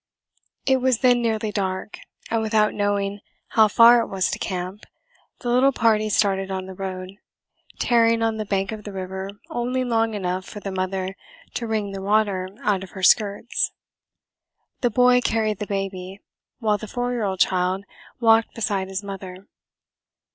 It was then nearly dark, and without knowing how far it was to camp, the little party started on the road, tarrying on the bank of the river only long enough for the mother to wring the water out of her skirts. The boy carried the baby, while the four year old child walked beside his mother.